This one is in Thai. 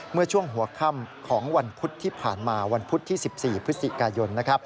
เมื่อช่วงหัวค่ำของวันพุธที่ผ่านมาวันพุธที่๑๔พฤศจิกายน